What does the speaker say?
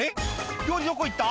料理どこ行った？」